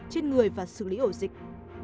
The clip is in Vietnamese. trên người và xử lý ổ dịch